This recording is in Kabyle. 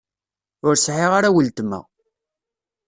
Ur sɛiɣ ara weltma.